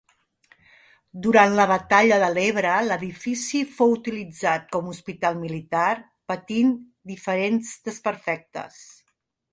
Durant la batalla de l'Ebre l'edifici fou utilitzat com a hospital militar, patint diferents desperfectes.